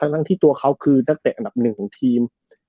ทั้งที่ตัวเขาคือนักเตะอันดับหนึ่งของทีม